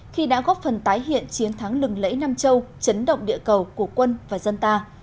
khi đã góp phần tái hiện chiến thắng lừng lẫy nam châu chấn động địa cầu của quân và dân ta